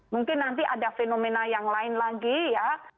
mungkin nanti ada fenomena yang lain lagi ya